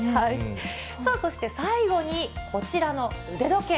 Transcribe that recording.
さあそして最後にこちらの腕時計。